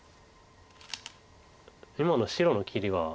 今の白の切りは。